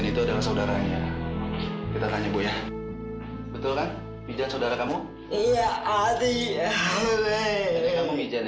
sudah dalam saudaranya kita tanya bu ya betul kan bisa saudara kamu iya adik adik ini jadinya